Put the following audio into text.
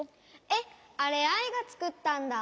えっあれアイがつくったんだ！